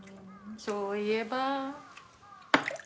そういえば。